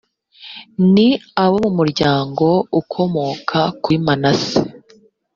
ni abo mu miryango ikomoka kuri manase